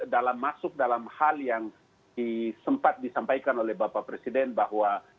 dalam masuk dalam hal yang sempat disampaikan oleh bapak presiden bahwa